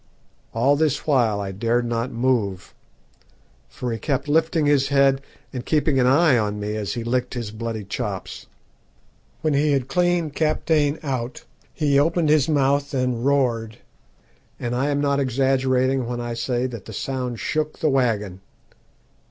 All this while I dared not move, for he kept lifting his head and keeping an eye on me as he licked his bloody chops. When he had cleaned Kaptein out he opened his mouth and roared, and I am not exaggerating when I say that the sound shook the waggon.